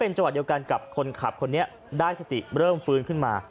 จังหวะเดียวกันกับคนขับคนนี้ได้สติเริ่มฟื้นขึ้นมา